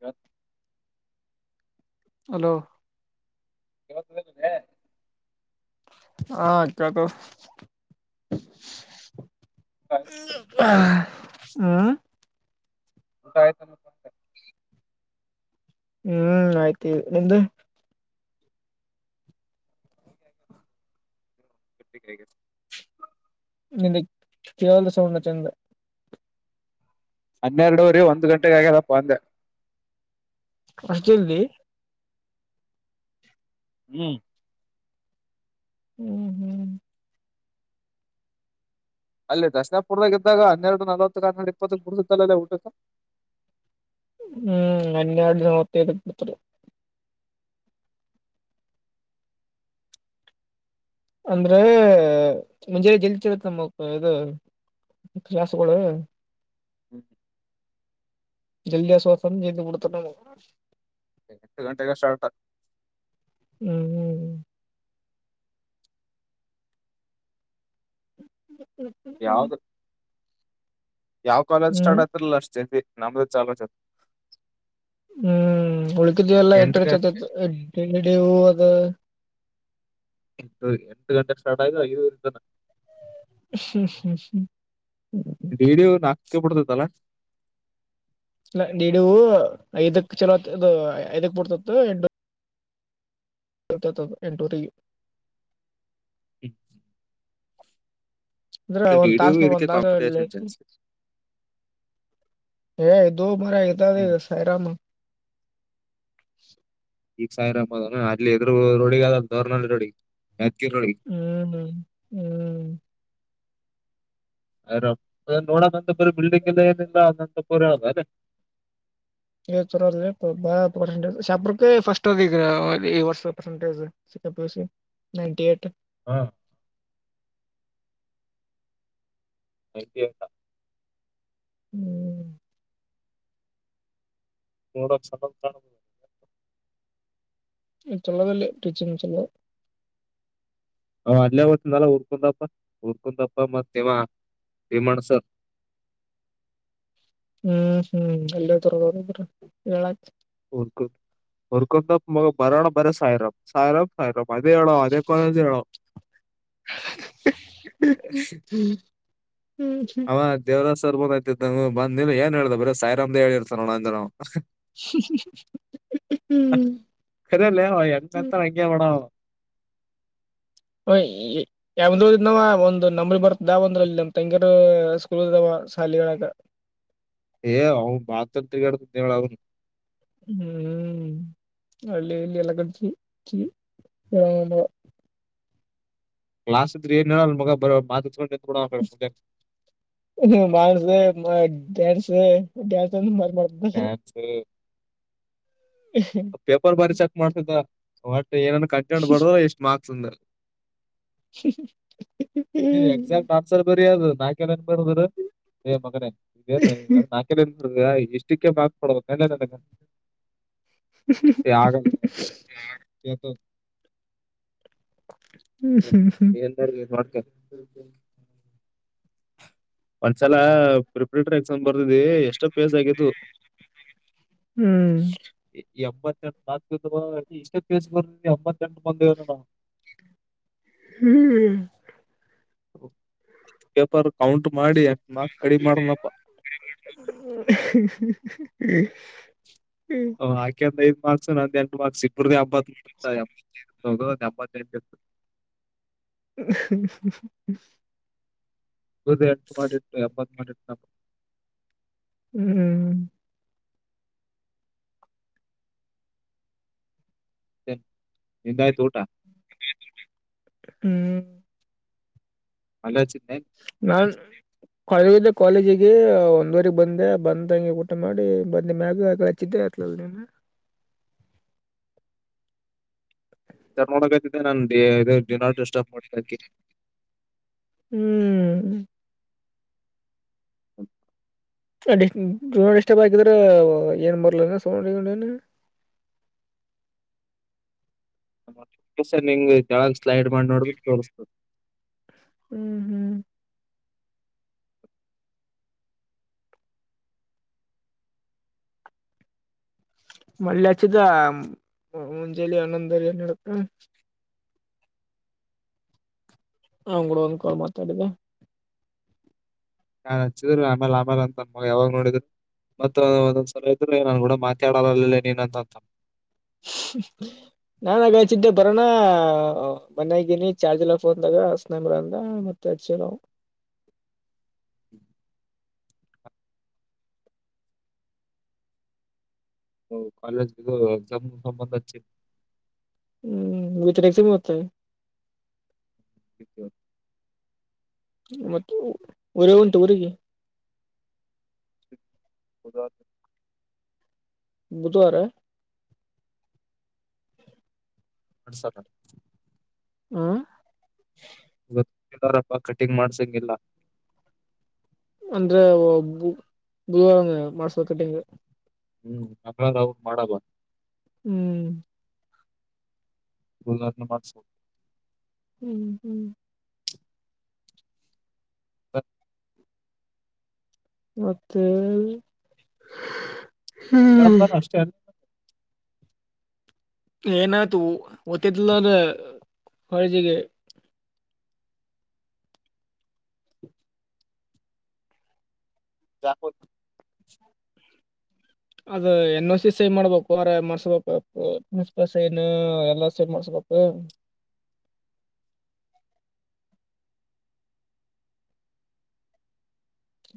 ಹ ಹಲೋ. ಕೇಳುತ ಇಲ್. ಹ ಕೇಳ್ತಾತಾ. ಹ್ಮ್ ಊಟ ಆಯ್ತಾ. ಹ್ಮ್ ಆಯ್ತು ನಿಮ್ದು. [unintelligible] ನಿನಿಗ್ ಕೇವಲ ಸೌಂಡೆ ಚಂದ. ಹನ್ನೆರಡುವ್ರರಿ ಒಂದ್ ಗಂಟೆಗೆ ಆಗ್ಯದಪ್ಪ ಅಂದೆ. ಆಸ್ಟ್ ಜಲ್ದಿ. ಹ್ಮ್ ಹ್ಮ್ ಹ್ಮ್ ಅಲ್ಲಿ ದಶಾ ಪುರ್ವದ ಇದ್ದಾಗ ಹನ್ನೆರಡು ನಲ್ವತ್ತುಕ್ ಹನ್ನೆಡು ಇಪ್ಪತ್ತಕ್ ಬಿಡ್ತೀತಲ್ಲಲೇ ಊಟಕ. ಹ್ಮ್ ಅನ್ಯಡು ನಲವತ್ತೈದು ಬಿಡ್ತೀರು. ಅಂದ್ರೆ ಮುಂಜ ಜಲ್ತಿರತ್ತ ನಮಕ್ ಇದು ಕ್ಲಾಸ್ಗಳು. ಜಲ್ದಿ ಆಸ್ವಾಸನ ಜಲ್ದಿ ಬಿಡ್ತಾರ್ ನಮ್ಗೆ. ಎಂಟು ಗಂಟೆಗೆ ಸ್ಟಾರ್ಟ. ಹ್ಮ್ ಹ್ಮ್ ಯಾವ್ದ. ಯಾವ್ ಕಾಲೇಜ್ ಹ್ಮ್ ಸ್ಟಾರ್ಟ್ ಆಗ್ತಿರಲ್ಲ ಅಷ್ಟ ಜಲ್ದಿ ನಮ್ದ ಚಾಲೋಜತ್. ಹ್ಮ್ ಉಳಕಿದ್ದೀವಲ್ಲಾ ಎಂಟುವರೆ ಗಂಟೆ ಚತೆತಿ ಡಿವು ಅದು. ಎಂಟು ಎಂಟು ಗಂಟೆ ಸ್ಟಾರ್ಟ್ ಆಗಿದ್ರೆ ಐದುವರೆ ತನ. ಹ್ಮ್ ಡಿ ಡಿ ನಾಲ್ಕ ಬಿಡ್ತದಲ್ಲ. ಡಿಡಿವು ಐದಕ್ ಚಲೋ ಐದಕ್ ಬಡ್ತತ್ತು ಎಂಟು ಎಂಟುವರಿಗೆ. ಹ ಅಂದ್ರೆ ಒಂದ್ ಡಿ ಯು ತಾಸನ ಇದಕ್ಕೆ ಒಂದ್ ತಾಸ ಕಾಂಪಿಟೇಷನ್ ಲೇಟ್. ಜಾಸ್ತಿ ಹೆ ದೋ ಮಾರಾಯ ಇದವ್ದು ಹ್ಮ್ ಇದು ಸೈರನು. ಈಗ ಸಾವಿರ ಅಬದ ಅಲ್ಲಿ ಎದುರು ರೋಡಿ ಅದ ದೋರ್ನ ರೋಡಿ ಯ್ಕಿ ರೋಡಿ. ಹ್ಮ್ ಹ್ಮ್ ಆರಾಮ್ ನೋಡ ನನಂತಪುರ ಬಿಲ್ಡಿಂಗ್ ಎಲ್ಲ ಏನಿಲ್ಲ ಅನಂತಪುರ ಅಲೆ. ಹೆ ಚಲೋ ಇದೆಯಪ ಬಾಳ್ ಪರ್ಸೆಟಜ್ ಶಾಪುರಕ್ಕೆ ಫಸ್ಟ್ ಅದ ಈ ವರ್ಷದ ಪರ್ಸೆಂಟೇಜು. ಸಿಕ್ಕಪ್ಲಿಸಿ ನೈನ್ಟಿ ಎಟ್. ಹಾ [unintelligible] ಹ್ಮ್ ಮೂಡ ಚಲ. [unintelligible] ಹ್ಮ್ ಚಲೋದಲ್ಲಿ ಟೀಚಿಂಗ್ ಚಲೋ. ಹ ಅಲ್ಲೇ ಓದ್ತಿದಲ್ಲ ಊರ್ಕಂದಪ್ಪ ಉರ್ಕಂದಪ್ಪ ಮತ್ ಇವ ಭೀಮಣ್ಣ ಸಾರ್. ಹ್ಮ್ ಹ್ಮ್ ಅಲ ಹೋಯ್ತರ್ ಅವ್ರ ಇಬ್ರು ಹೇಳ್ಕೆ. ಹುರ್ಕ ಹೊರ್ಕೊಂಡಪ್ಪಾ ಮಗ ಬರೋಣ ಬರ ಸಾಯಿರಬ್ ಸಾಯಿರಬ್. ಅದೇ ಹೇಳೋ ಅದೇ ಕಾಲೇಜ್ ಅವ. ಹ್ಮ್ ಹ್ಮ್ ಹಾ ದೇವರಾಜ್ ಸರ್ ಬಂದ್ನ ಬಂದ ನಿಲ್ಲು ಎನ್ ಹೇಳ್ದ ಬರಿ ಸಾಯಿರಾಮ್ದೇ ಹೇಳಿರ್ತಾರನಣ ಅಂದೆ ನಾವು. ಹ್ಮ್ ಅರಿ ಅಲ್ಲಯ ಎತ್ರ ಹ್ಮ್ ಮಂಗ್ಯ ಮಾಡಣ ಹ ಈ ಯಾವಂದ ಇದ್ನಾವ ಒಂದು ನಮ್ಳ ಬರ್ತದಾವ ಅಂದ್ರಲ್ಲಿ ನಮ್ ತಂಗರು ಸ್ಕೂಲ್ ಇದದಾವ ಶಾಲಿಗಳಾಗ ಏ ಅವ ಮಾತಗಳ ಅವ ಹೂ ಹೂ ಹಳ್ಳಿ ಇಲ್ಲಿ ಎಲ್ಲ ಕಡೆ ಚಿ ಚಿ ಕ್ಾಸ ಏ ನ ಮ ಬ ಮಾ ಮಾಸ ಡ್ಯಾನ್ಸ್ ಡ್ಯಾನ್ಸ್ ಅಂದ ಮ ಮಾಡ ್ಯಾನ್ಸ್ ಹೂ ಪೇಪರ್ ಬರಿ ಚೆಕ್ ಮಾಡ್ತಿದ ಒಟ್ ಏನನ್ ಕಂಟೆಂಟ್ ಬರ್ ಎಷ್ಟ್ ಮಾರ್ಕ್ಸ್ ಅಂದ ನೀನ್ ಹ್ಮ್ ಎಕ್ಸಾಕ್ಟ್ ಆನ್ಸರ್ ಬರಿ ಅದು ನಾ ನ್ ಬರು ಏ ಮಗನ ಇದೇನು ನಾಕಲಷ್ಟ ೆ ಬಾಗ್ಡಬೇಕಲ್ಲ ಹ ಆಗಲ್ ಇು ಹ್ಮ್ ಹ ಎಲ್ಲೂ ಮಾಡ ಒಂದ್ಸಲ ಪ್ರಿಪರೇಟರಿ ಎಕ್ಸಾಮ್ ಬರ್ದಿ ಎಷ್ಟೋ ಪೇಸ್ ಆಗಿದ್ವು ಹೂ ಎಂಬತ್ತ್ತೆಂಟು ನಾ ಇಷ್ಟಸ್ ಬರ ಎಂಬತ್ತ್ತೆಂಟ ಬಂದೇವ ನಾವು ಹೂ ಪೇಪರ್ ಕೌಂಟ್ ಮಾಡಿ ಎಲ್ಡ್ ಮಕ್ ಕಡಿ ಮಾಡನಪ್ಪ ಹೂ ್ ಆಕಂದ ಐ್ ಮಾರ್ಕ್ಸ್ ನ ಒಂದ ಎಂಟು ಮಾರ್ಕ್ ಇಬ್ಬ್ದ ಎಂಬತ್ತು ಎೈ ಎಂಬತ್ತೆಂಟ ಹೂ ಹದು ಎಂು ಮಾಡಿಟ್ಟು ಎಂಬತ್ ಮಾಡಿಟ್ಟ ಹೂ ನಿಿಂದಾಯ್ತು ಊಟ ಹೂ ಅಲ್ಲೇ ಅಚ್ಚತಿ ಏನ್ ನಾನ್ು ಕಾಲೇಜಿಗೆ ಒಂದ್ವರೆಗೆ ಬಂದೆ ಬಂದಂಗೆ ಊಟ ಮಾಡಿ ಬಂದ ಮ್ಯಾಗ ಆ ಚಿದ್ಧಯತ್ಲ ಸ ನೋಡ್ಿದೆ ನಾನ್ಿನ್ಟಪ್ ಮಾಡಿಾಕಿ ಹೂ ಹ [unintelligible] ಡ ಡಿಸ್ಟರ್ಬ್ ಆಾಕಿದ್ರ ಏನ್ ಬರ್ಲ ಸೋ ನ್ ನಿಂಗ್ ಕೆಳಗ್ ಸ್ಲೈಡ್ ಮಾಡಿ ನೋಡ್ರೆ ತೋರಿಸಸ್ತದೆ ಹೂ ಮಳ್ಳಚದ ಮಂಜಲಿ ಅನಂದರನ್ ಹಡತ ಹಾ್ ಕೂಡ ಒಂದ್ ಕಾಲ್ ಮಾತಾಡಿದ್ದೆ ನಾನ್ ಹಚ್ಚಿದ್ರಿ ಆಮೇಲೆ ಆಮೇಲೆ ಅಂತ ಮ ಯಾವಾಗ ನೋಡಿದ್ರಿ ಮತ್ತ ಒಂದ್ಲ ಇದ್ರೆ ನಾನ್ ಕೂಡ ಮಾತಾಡಲ್ಲನಂತಂತ ಹ್ ನಾನ್ಗಚಿದ್ದೆ ಬರೋಣ ಮನ್ಯಾಗೀನಿ ಚಾರ್ಜ್ ಎಲ್ಲ ಫೋನ್ದಾಗ ನಂಬ್ರ ಅಂದ ಮ ಕ್ಷ ನೋ ಕಾಲೇಜ್ ಎಕ್ಸಾಮ್ ಮುಗ್ಸೊಂಡ ಬಂದ ಹಚ್ಚಿ. ಹ್ಮ್ ವಿಚರೆಕ್ಸಮತ್ತ. ಹ ಮತ್ತ ಊರೇ ಉಂಟು ಊರಿಗೆ. ಬುಧ. ಬುಧವಾರ. [unintelligible] ಹ [unintelligible] ಗತ್ತಾರಪ್ಪ ಕಟಿಂಗ್ ಮಾಡ್ಸಂಗಿಲ್ಲಾ. ಅಂದ್ರೆ ಬುಧ ಬುಧವಾರ ಮಾಡಿಸಬೇಕು ಕಟಿಂಗ್. ಹ್ಮ್ [unintelligible] ಮಾಡಬ. ಹ್ಮ್ [unintelligible] ಹ್ಮ್ ಹ್ಮ್ ತೆ. ಮತ್ತೆ. ಹ್ಮ್ ಮದ್ಯನ್ತನ ಅಷ್ಟೇ. ಏನಾಯ್ತು ಓತ್ತಿದಿದಲ ಕಳಜಿಗೆ. ಜಪೂರ್. [inaudible] ಅದ ಎನ್ ಹೊ ಸಿ ಸೈನ್ ಮಾಡ್ಬೇಕು ಮಾರಾಯ ಮಾಡ್ಸ್ಬೇಕು ಸೈನು ಎಲ್ಲಾ ಸೈನ್ ಮಾಡ್ಸ್ಬೇಕು.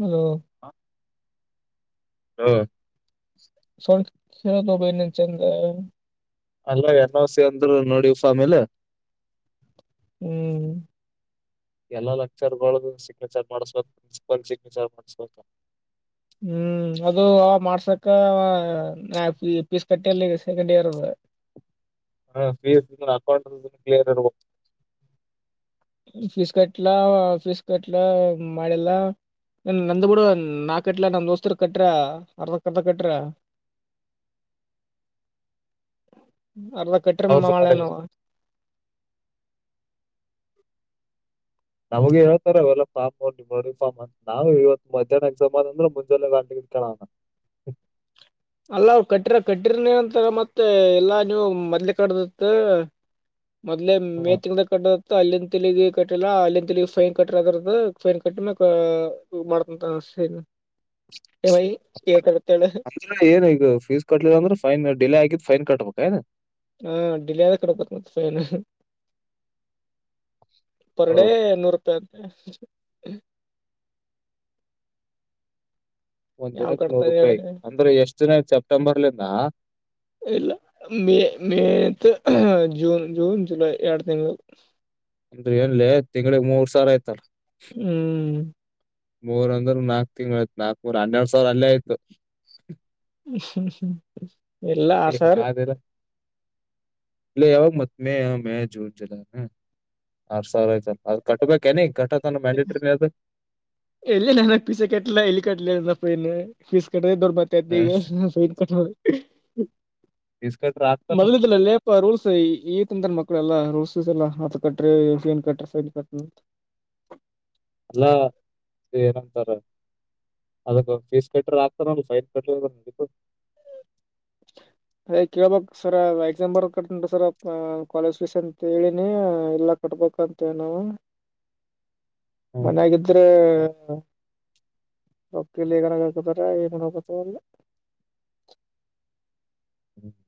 ಹೆಲೋ. ಹಾ ಹ್ಮ ಸೌಂಡ್ ಕೆಳತಿಲ್ ನಿ ಚಂದ. ಅಲ್ಲ ಎನ್ ಹೊ ಸಿ ಅಂದ್ರು ನೋಡಿ ಫಾಮಿಲಿ. ಹ್ಮ್ ಎಲ್ಲಾ ಲೆಕ್ಚರ್ ಗಳದು ಸಿಗ್ನೇಚರ್ ಮಾಡ್ಸ್ಬಬೇಕ್ ಪ್ರಿನ್ಸಿಪಲ್ ಸಿಗ್ನೇಚರ್ ಮಾಡ್ಸ್ಬೇಕ. ಹ್ಮ್ ಅದು ಮಾಡ್ಸಕ್ಕ ಪೀಸ್ ಕಟ್ಟೆ ಇಲ್ಲ ಸೆಕೆಂಡ್ ಇಯರ್ ದು. ಹ ಫೀಸ್ [unintelligible] ಅಕೌಂಟ್ ಕ್ಲಿಯರ್ ಇರ್ಬೇಕು. ಫಿಶ್ ಕಟ್ಲ ಫಿಶ್ ಕಟ್ಲ ಮಾಡಿಲ್ಲ. ನಂದ ಬಿಡು ನಾ ಕಟ್ಲ ನಮ್ ದೋಸ್ತರು ಕಟ್ರ ಅರ್ದ ಕರ್ದ ಕಟ್ರ. ಅರ್ದ ಕಟ್ಟ್ರ ಮಾ ಅವ್ರದ್ದು ಮಾಡಿಲ್ಲ ಮಾಡ್ಲೆನ್ಅವ. ನಮಗೆ ಹೇಳ್ತಾರ ಅವೆಲ್ಲ ಪಾಪ. [unintelligible] ನಾವು ಇವತ್ ಮಧ್ಯಾಹ್ನ ಎಕ್ಜಾ ಅಂತ ಅಂದ್ರೆ ಮುಂಜಾಲೆ ರಾತ್ರಿ ಕೇಳೋಣ. ಅಲ್ಲ ಅವ್ರು ಕಟ್ಟಿರ ಕಟ್ಟರ ನೀನಂತರ ಮತ್ತೆ ಎಲ್ಲಾ ನೀವು ಮದ್ಲ ಕಡ್ದತ್. ಮೊದ್ಲೆ ಮೇ ತಿಂಗದ ಕಟ್ಟ. ಅಲ್ಲಿಂದ ತೆಗಿ ಕಟ್ಟಿಲ್ಲ ಅಲ್ಲಿನ್ ತೆಲಗಿ ಫೈನ್ ಕಟ್ಟ್ರದ್ರದ್ದ ಫೈನ್ ಕಟ್ಟ್ಮೆ. ಹು ಮಾಡ್ತಂತನ ಫೀಸ್ನ. [inaudible] ಏನ್ ಈಗ ಫೀಸ್ ಕಟ್ಲಿಲ್ಲಂದ್ರೆ ಫೈನ್ ಡಿಲೆ ಆಗಿದ ಫೈನ್ ಕಟ್ಬೇಕ ಏನು. ಹಾ ಡಿಲೆ ಆದ ಕಡಬತ್ ಫೈನ್ನು. ಪರ್ ಡೇ ಕಳವ್ರು ನೂರು ರೂಪಾಯಿ ಅಂತೆ. ಒಂದ್ ಯಾವ್ ದಿನಕ್ಕೆ ನೂರ್ ಕಟ್ತಾರ ಹೇಳಿ ರೂಪಾಯಿ ಅಂದ್ರೆ ಎಷ್ಟ ದಿನ ಆಯ್ತ್ ಸೆಪ್ಟೆಂಬರ್ಲಂದ. ಇಲ್ಲ ಮೇ ಮೇಂತ ಜೂನ್ ಜೂನ್ ಜುಲೈ ಎರಡು ತಿಂಗಳು. ನ್ೀ ಎನ್ಲ್ಲ ತಿಂಗಳಗ್ ಮೂರ್ ಸಾವಿರ ಆಯ್ತಲ್ಲ ಹೂ ಹೂ ಮೂರ ಅಂದ್ರೆ ನಾಕ್ ತಿಂಗಳಯ್ತ್ ನಾಕ್ ಮೂರ್ ಹನ್ನೆರ ಸಾವಿರ ಅಲ್ಲೇ ಆಯತು ನಿ ಅದಲ್ಲ ಲೇ ಯಾವಾಗ ಮತ್ ಮೇ ಯಾವ ಮೇ ಜೂನ್ ಜಲ ಆರ್ ಸಾವಿರ ಆಯ್ತಲ್ಲ ಅದು ಕಟ್ಟಬೇಕ ಏನ ಕಟ್ಟಕ ಮ್ಯಾಂಡಿಟ್ರಿನ ಅದು ಎಲ್ಲಿ ನಾನ ಪೀಸ ಕಟ್ಟಲಾ ಎಲ್ಲಿ ಕಟ್ಲ ಪೀಸ ಕಟ್ಟ್ರ ದೊಡ್ಬ ತನ್ ಕಟ್ಟ ಫೀಸ್ ಕಟ್ರ ಆಗ್ತಾನ ಮೊದಲುಲ್ಲ ಅಲ್ಲೇ ರೂಲ್ಸ್ ಈತ ಅಂದ್ರ ಮಕ್ಳೆಲ್ಲಾ ರೂಲ್ಸ್ಸ್ ಎಲ್ಲ ಹ ಕಟ್ರೆ ಸೈನ್ ಕಟ್ರ ಸೈನ್ ಕ ಅಲ್ಲಾ ಏನಂತಾರ ಅದಕ್ಕ ಫೀಸ್ ಕಟ್ರರ್ ಆಗ್ತಾರ ಸೈಡ್ ಕ ಹ ಅಯ ಕೇಳ್ಬಕ್ ಸರ್ ಎಕ್ಸಾಮಂ ಬರ್ ಕಂಟ ಸರ್ ಕಾಲೇಜ್ ಫೀಸ್ ಅಂತ ಹೇಳಿನಿ ಇಲ್ಲಕ್ ಕೊಟ್ಬೇಕಂತ ನವು ಹ್ಮ್ ಮನಾಗ ಹ್ಮ್ ಇದ್ರೆ ರಕ್ತಲ್ಲಿಗನ ಹಾಕತಾರೆ ಏನು ಹೋಗತ ಅಲ್ಲಿ ಹೂ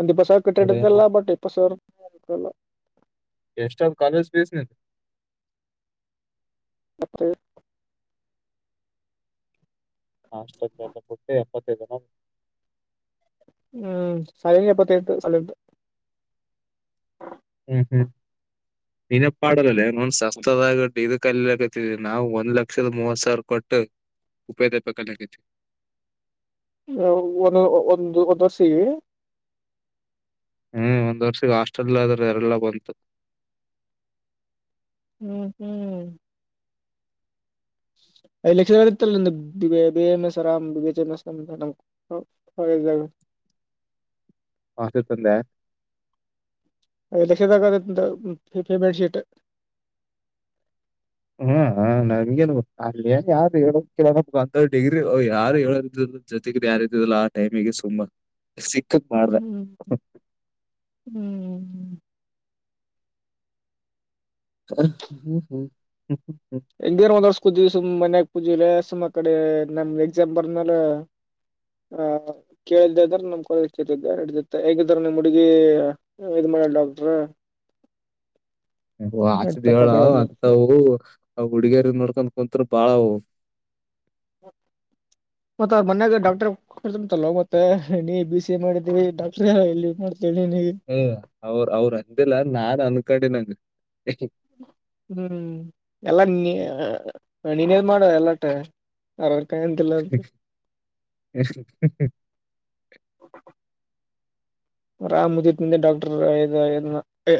ಒಂದ್ಿ ಬಸ್ಸ ನೋಡಿ ಏನ್ ಕೆಟ್ಟಡಲ್ಲ ಮಾಡ ಬಟ್ಪ್ಪಲ್ಲ ಎಷ್ಟಾದ್ ಕಾಲೇಜ್ ಫೀಸ್ ನಿಂತ ಮತ್ತೆ ಹಸ್ಟ್ಟಿ ಎಪ್ಪತ್ತ ದಿನ ಹೂ ಸಾಲ ಎಪ್ಪತ್ತು ಸ್ ಹೂ ಹೂ ಅ ನಿನಪಾಡಲ್ಲೊಂದ್ ಸಸ್ತದಗಟ್ಟ ಇದ ಕಲ್ಲಿಕತ ನಾವ್ ಒಂದ್ ಲಕ್ಷದ ಮೂವತ್ ಸಾವಿರ ಕೊಟ್ಟು ಉಪೇೋಗ ಪಕ್ಕಗೈತಿ ಒಂದು ಒಂದು ಒಂದುಸಿ ಹೂ ಒಂದ್ ವರ್ಷಗ ಹಾಸ್ಟೆಲ್ ಆದ್ರ ಎರೆಲ್ಲಾ ಬಂತು ಹೂ ಹೂ ಐದು ಲಕ್ಷದ ಇತ್ತಲ್ಲ ನ ಎಮ ಎಸ್ರಾಮ್ಜ ಸರಿಯಾಗಿ ಹೇಳು ಹಾ ಸೇ ತಂದೆ ಎಲೆಕ್ಷನ್ದಾಗ ಪೇಮೆಂಟ್ ಶೀಟ್ ಹೂ ನನ್ಗೇನ್ ಅನ್ ಯಾರು ಹೇಳ ಅಂತ ಡಿಗ್ರಿ ಯಾರು ಹೇಳದ ಜೊತೆಗ ಯಾರತಿಲ್ಲ ಆ ಟೈಮಿಗೆ ಸುಂಬಾ ಸಿಕ್ಕಕ್ ಮಾಡ್ರ ಹೂ ಹ ಹೂ ಹೂ ಹೂ ಹೆಂಗೇನ್ ಒಂದರ್ಸ್ ಕೂುದೀವಿ ಸುಮ್ಮ್ ಮನ್ಯಾಗ ಪೂಜಿಲ್ಲ ಸುಮ್ಮ್ ಕಡೆ ನಮ್ ಎಕ್ಸಾಮ್ ಬಂದ ಮೇ ಆ ಕೇಳ್ದದ್ರೆ ನಮ್ ಕಾಲಿದ್ದ ಹಿಡಿದತ್ತ ಹೇಗಿದ್ರ ನಿಮ್ ಹುಡುಗಿ ಇದು ಮನ ಡಾಕ್ಟರ ಆಚೆ ದಳ ಅಂತವು ಅವ ಹುಡುಗಿಯರ ನೋಡ್ಕ್ ಕುಂತರ ಬಾಳವು ಮತ್ತ ಅವ ಮನ್ನಾಗ ಡಾಕ್ಟರ್ ಂಟಲ್ ಮತ್ತೆ ನೀ ಬಿ ಸಿ ಎ ಮಾಡಿದೀಿ ಡಾಕ್ಟ್ರ ಎಲ್ಲಿ ಮಾಡ್ತೇಿಗೆ ಹ ಅವ್ರ ಅವ್ರ ಅಂದಿಲ್ಲ ನಾನ್ ಅನ್ಕಡೆ ನಂಗ ಹೂ ಎಲ್ಲ ನೀ ನೀನ್ೇದ್ ಮಾಡುವ ಎಲ್ಲಟ ಅರ ಕಾಯಂತಿಲ್ಲ ಅಂತ ಎಷ್ಟ ಅವ ಆ ಮುದಿಂದ ಡಾಕ್ಟರ್ ಐ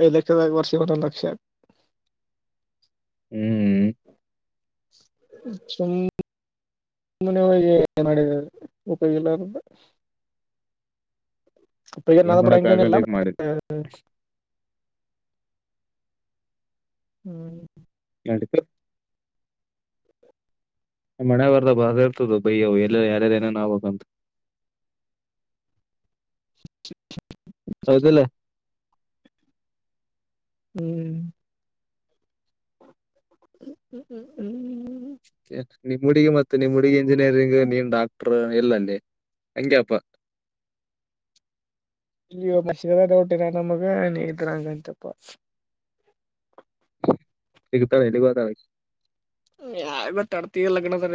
ಐದು ಲಕ್ಷದ ವರ್ಷ ಇ ಒೊಂದ್ ಲಕ್ಷ ಆ ಹಾ ಹೂ ಅ ಮುನವಾಗಿಏ ಮಾಡ ಉಪಯೋಗಿಲ್ಲ್ರ ಅ ಎನಾದ ಏನ್ ಮಾಡಕ್ ಪಡಂಗ ಇಲ್ಲ ಆಗಲ್ಲ ಈಗ ಮಾಡಿದ್ದೆ ಹೂ ನೆಡಿತಾತಿ ನಾಮ್ ಹಣೆ ಬರ್ದ ಬಾರ ಇರ್ತದು ಬಯವು ಎಲ್ಲ ಯಾರದ ನೇನು ಆ್ಬೇಕ ಅಂತ ಹೌದಲ್ಲ ಹೂ ್ಮ್ಮ್ಮ ಹೂ ಹೂ ನಿಮ್ಮ್ ಹುಡಗಿ ಮತ್ತೆ ನಿಮ್ಮ ಹುಡುಗಿ ಇಂಜಿನಿಯರಿಂಗ್ ನೀನ್ ಡಾಕ್ಟರ್ ಎಲ್ಲಲ್ಲಿ ಹಂಗಗೆಪ್ಪಾ ಇಲ್ಲಿ ಡೌಟರ ನಮಗ ನೀ ಇದ್ರಂಗಂತಪ್ಪ ಸಿಗ್ತಾಳ ಎಲ್ಲಿಗೆ ಹೋಗುವಳು ಯಾವ ತಡ್ತಿ ಲಗ್ನದ